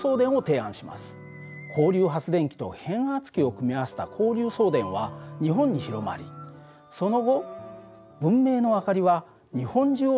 交流発電機と変圧器を組み合わせた交流送電は日本に広まりその後文明の明かりは日本中を照らすようになります。